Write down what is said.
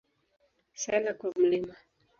Sala kwa Mt.